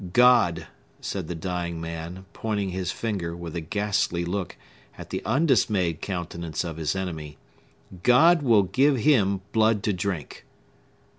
"God," said the dying man, pointing his finger, with a ghastly look, at the undismayed countenance of his enemy,—"God will give him blood to drink!"